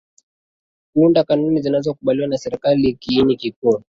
kuunda kanuni zinazokubaliwa na serikali Kiini kikuu